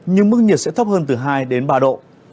nhưng mức nhiệt sẽ thấp hơn từ hai đến ba độ